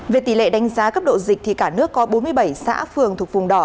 về tỷ lệ đánh giá cấp độ dịch thì cả nước có bốn mươi bảy xã phường thuộc vùng đỏ